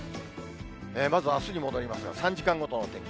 まずあすに戻りますが、３時間ごとのお天気。